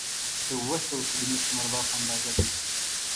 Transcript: د اووه سوه کيلو متره مربع په اندازه دی.